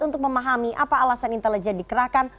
untuk memahami apa alasan intelijen dikerahkan